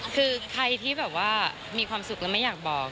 คือใครที่แบบว่ามีความสุขแล้วไม่อยากบอก